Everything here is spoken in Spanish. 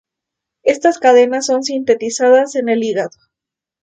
Estas cadenas son sintetizadas en el hígado.